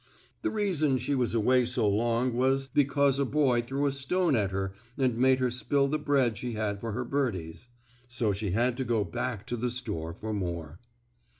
The reason she was away so long was because a boy threw a stone at her and made her spill the bread she had for her birdies. So she had to go back to the store for more.